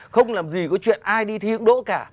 không làm gì có chuyện ai đi thi cũng đỗ cả